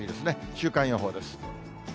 週間予報です。